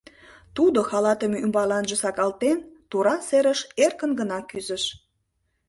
Тудо, халатым ӱмбаланже сакалтен, тура серыш эркын гына кӱзыш.